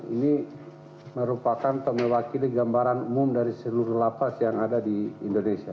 ini merupakan atau mewakili gambaran umum dari seluruh lapas yang ada di indonesia